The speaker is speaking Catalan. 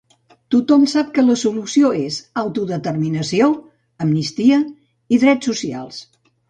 Tothom sap que la solució és autodeterminació, amnistia i drets socials.